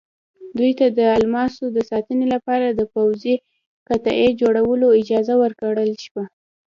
دوی ته د الماسو د ساتنې لپاره د پوځي قطعې جوړولو اجازه ورکړل شوه.